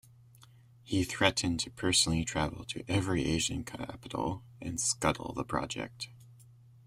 He threatened to personally travel to every Asian capital and scuttle the project.